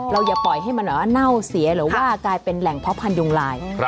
อย่าปล่อยให้มันแบบว่าเน่าเสียหรือว่ากลายเป็นแหล่งเพาะพันธุงลาย